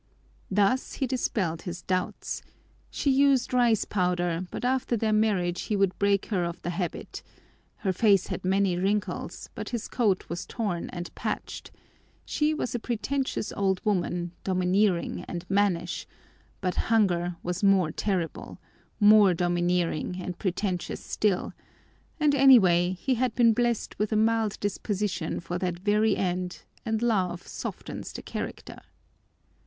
Thus he dispelled his doubts: she used rice powder, but after their marriage he would break her of the habit; her face had many wrinkles, but his coat was torn and patched; she was a pretentious old woman, domineering and mannish, but hunger was more terrible, more domineering and pretentious still, and anyway, he had been blessed with a mild disposition for that very end, and love softens the character.